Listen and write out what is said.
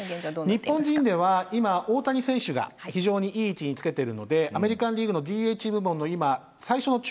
日本人では今大谷選手が非常にいい位置につけてるのでアメリカンリーグのＤＨ部門の今最初の中間発表第２位でした。